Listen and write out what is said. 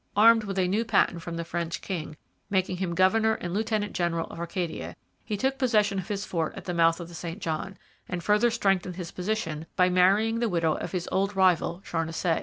Armed with a new patent from the French king, making him governor and lieutenant general of Acadia, he took possession of his fort at the mouth of the St John, and further strengthened his position by marrying the widow of his old rival Charnisay.